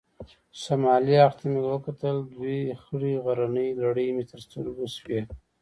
شمالي اړخ ته مې وکتل، دوې خړې غرنۍ لړۍ مې تر سترګو شوې.